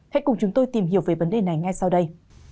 hãy cùng chúng tôi tìm hiểu về vấn đề này ngay sau đây